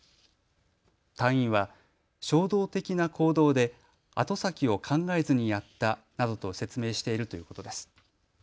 隊員は衝動的な行動で後先を考えずにやったなどと説明しているということです。